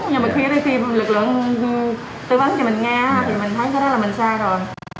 nhưng mà khi ở đây tìm lực lượng tư vấn cho mình nghe thì mình thấy ra là mình xa rồi